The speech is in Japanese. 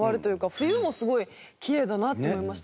冬もすごいきれいだなって思いました。